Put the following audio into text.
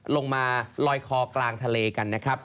ลงมาลอยคอกลางทะเลกันนะครับ